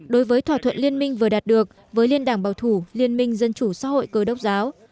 đối với thỏa thuận liên minh vừa đạt được với liên đảng bảo thủ liên minh dân chủ xã hội cơ đốc giáo